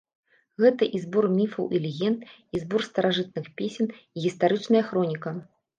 Гэта і збор міфаў і легенд, і збор старажытных песень, і гістарычная хроніка.